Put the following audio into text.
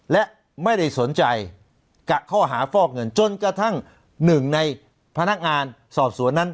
และไม่ได้สนใจกับข้อหาฟอกเงินจนกระทั่งหนึ่งในพนักงานสอบสวนนั้น